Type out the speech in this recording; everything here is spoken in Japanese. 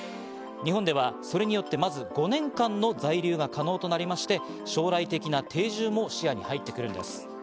日本ではそれによってまず５年間の在留が可能となりまして、将来的な定住も視野に入ってくるんです。